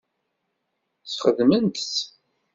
Sxedment-t.